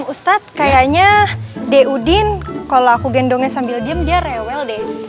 ustadz kayaknya de udin kalau aku gendongnya sambil diem dia rewel deh